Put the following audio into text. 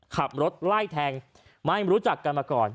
ขับรถไล่แทงไม่รู้จักกันมาก่อน